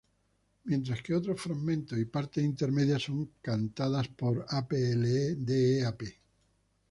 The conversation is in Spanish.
Mientras que otros fragmentos y partes intermedias son cantadas por apl.de.ap.